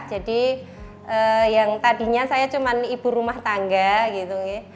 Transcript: jadi yang tadinya saya cuma ibu rumah tangga gitu